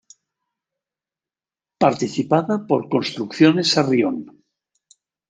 Participada por Construcciones Sarrión.